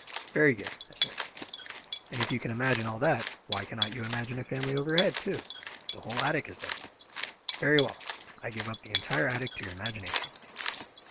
"Very good," I said; "and if you can imagine all that, why cannot you imagine a family overhead, too? The whole attic is there. Very well; I give up the entire attic to your imagination."